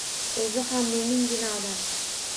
O‘zi ham mo‘mingina odam.